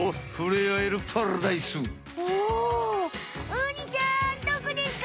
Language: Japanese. ウニちゃんどこですか？